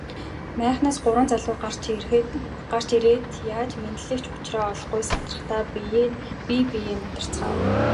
Майхнаас гурван залуу гарч ирээд яаж мэндлэх ч учраа олохгүй сандрахдаа бие биеэ нударцгаав.